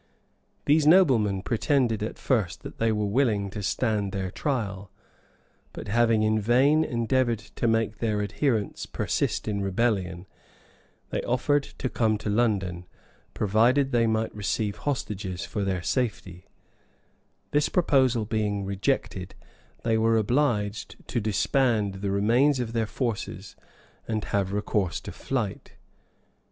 These noblemen pretended at first that they were willing to stand their trial; but having in vain endeavored to make their adherents persist in rebellion, they offered to come to London, provided they might receive hostages for their safety: this proposal being rejected, they were obliged to disband the remains of their forces, and have recourse to flight.